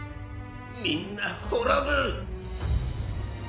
みんな滅ぶ！